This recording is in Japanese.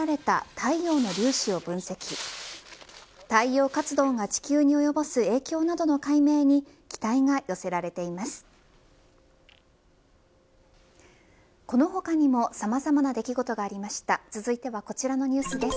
太陽活動が地球に及ぼす影響などの解明に期待が寄せられています。